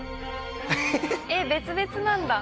えっ別々なんだ。